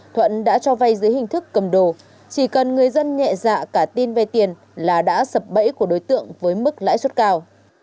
thuận đã cho vay dưới hình thức cầm đồ chỉ cần người dân nhẹ dạ cả tin vay tiền là đã sập bẫy của đối tượng với mức lãi suất cao